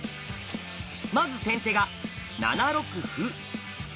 まず先手が７六歩。